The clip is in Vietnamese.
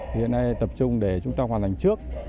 hiện nay tập trung để chúng ta hoàn thành trước